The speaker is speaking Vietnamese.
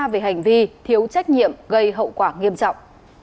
về hành vi thiếu trách nhiệm gây hậu quả nghiêm trọng